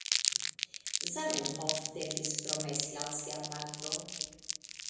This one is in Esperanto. Zamenhof devis promesi al sia patro.